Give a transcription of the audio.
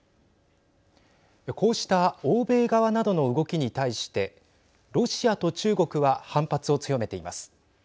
こうした欧米側などの動きに対してロシアと中国は反発を強めています。